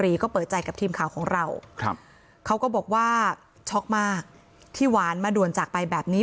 เปิดใจกับทีมข่าวของเราเขาก็บอกว่าช็อกมากที่หวานมาด่วนจากไปแบบนี้